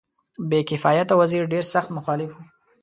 بې کفایته وزیر ډېر سخت مخالف وو.